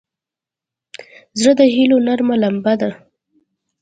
زړه د هيلو نرمه لمبه ده.